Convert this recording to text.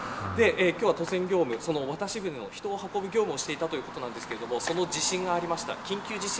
今日は渡船業務渡し船の人を運ぶ業務をしていたということですが地震がありました。